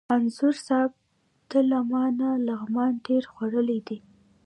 انځور صاحب! ده له ما نه لغمان ډېر خوړلی دی.